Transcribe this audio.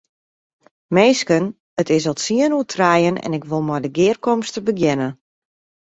Minsken, it is al tsien oer trijen en ik wol mei de gearkomste begjinne.